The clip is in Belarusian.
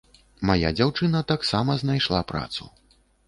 Мая дзяўчына таксама знайшла працу.